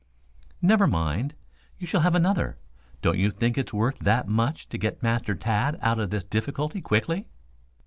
"Never mind, you shall have another. Don't you think it's worth that much to get Master Tad out of his difficulty quickly?"